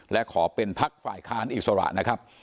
และขอเป็นพักฝ่ายค้านอิสระนะครับ